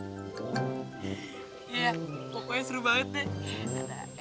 iya pokoknya seru banget deh